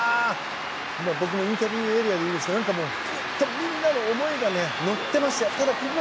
僕もインタビューエリアにいたんですがみんなの思いが乗ってましたよ。